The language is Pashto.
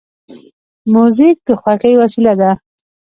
موزیک د خوښۍ وسیله ده.